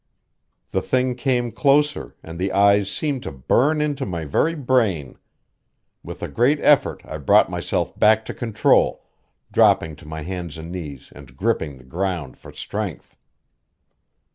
The thing came closer and the eyes seemed to burn into my very brain. With a great effort I brought myself back to control, dropping to my hands and knees and gripping the ground for strength.